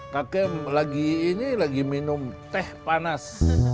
kakek ini lagi minum teh panas